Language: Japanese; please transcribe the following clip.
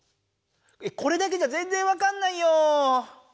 これだけじゃぜんぜんわかんないよ。